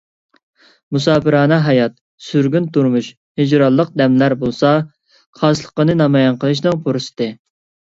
مۇساپىرانە ھايات، سۈرگۈن تۇرمۇش، ھىجرانلىق دەملەر بولسا، خالىسلىقنى نامايان قىلىشنىڭ پۇرسىتى.